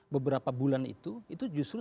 beberapa bulan itu itu justru